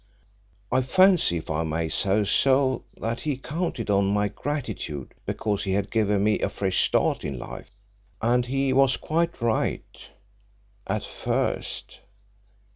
I fancy, if I may say so, that he counted on my gratitude because he had given me a fresh start in life. And he was quite right at first."